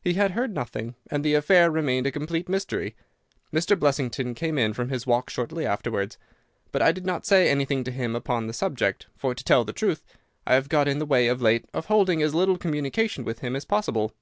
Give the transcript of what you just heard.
He had heard nothing, and the affair remained a complete mystery. Mr. Blessington came in from his walk shortly afterwards, but I did not say anything to him upon the subject, for, to tell the truth, I have got in the way of late of holding as little communication with him as possible.